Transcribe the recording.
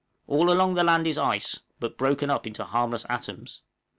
All along the land there is ice, but, broken up into harmless atoms.